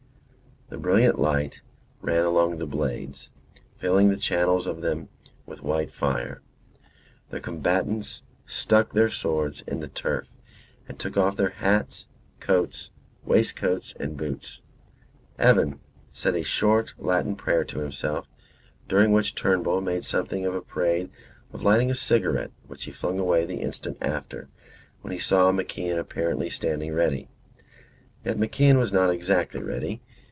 The brilliant light ran along the blades, filling the channels of them with white fire; the combatants stuck their swords in the turf and took off their hats, coats, waistcoats, and boots. Evan said a short Latin prayer to himself, during which Turnbull made something of a parade of lighting a cigarette which he flung away the instant after, when he saw MacIan apparently standing ready. Yet MacIan was not exactly ready.